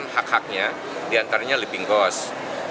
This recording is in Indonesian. hak haknya diantaranya living gos